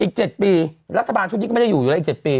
อีก๗ปีรัฐบาลชุดนี้ก็ไม่ได้อยู่อยู่แล้วอีก๗ปี